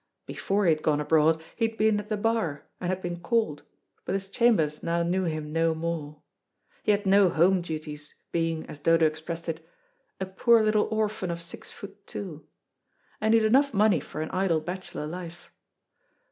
Before he had gone abroad he had been at the Bar, and had been called, but his chambers now knew him no more. He had no home duties, being, as Dodo expressed it, "a poor little orphan of six foot two," and he had enough money for an idle bachelor life.